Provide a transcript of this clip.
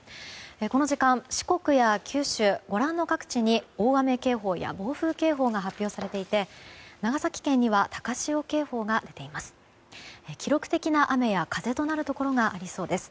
この時間、四国や九州ご覧の各地に大雨警報や暴風警報が発表されていて、長崎県には高潮警報が出ています。